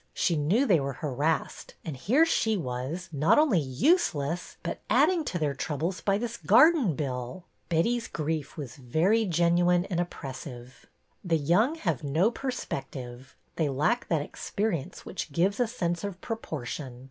She knew they were harassed, and here she was, not only useless, but adding to their troubles by this garden bill. Betty's grief was very genuine and oppressive. The young have no perspective; they lack that experience which gives a sense of proportion.